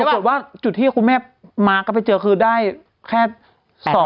ปรากฏว่าจุดที่คุณแม่มาก็ไปเจอคือได้แค่